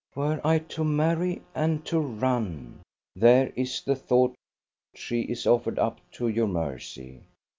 "Were I to marry, and to run!" There is the thought; she is offered up to your mercy.